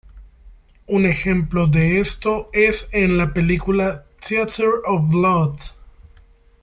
Un ejemplo de esto es en la película "Theatre of Blood".